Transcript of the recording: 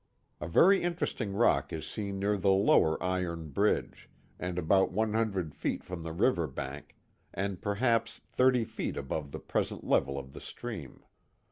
A very interesting rock is seen near the lower iron bridge, and about one hundred feet from the river bank, and perhaps thirty feet above the present level of the stream.